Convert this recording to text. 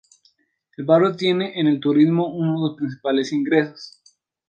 El barrio tiene en el turismo uno de sus principales ingresos.